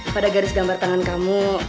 pada garis gambar tangan kamu